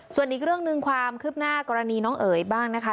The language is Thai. ส่วนอีกเรื่องหนึ่งความคืบหน้ากรณีน้องเอ๋ยบ้างนะคะ